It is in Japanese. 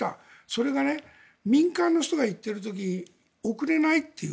それが民間の人が行っている時送れないという。